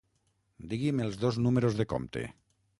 Digui'm els dos números de compte.